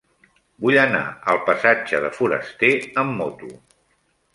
Vull anar al passatge de Forasté amb moto.